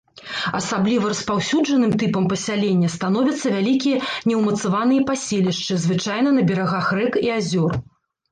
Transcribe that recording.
Асабліва распаўсюджаным тыпам пасялення становяцца вялікія неўмацаваныя паселішчы, звычайна на берагах рэк і азёр.